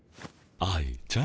愛ちゃん。